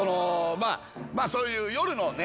まあそういう夜のね